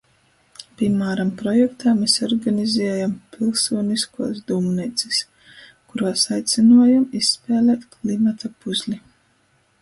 Pīmāram, projektā mes organiziejom pylsūniskuos dūmneicys, kuruos aicynuojom izspēlēt "Klimata puzli".